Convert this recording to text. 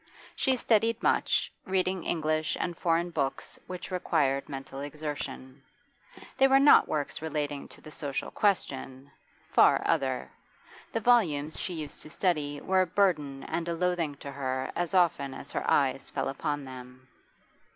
She studied much, reading English and foreign books which required mental exertion. They were rot works relating to the 'Social Question' far other. The volumes she used to study were a burden and a loathing to her as often as her eyes fell upon them.